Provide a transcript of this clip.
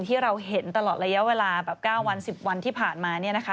ที่เราเห็นตลอดระยะเวลา๙วัน๑๐วันที่ผ่านมา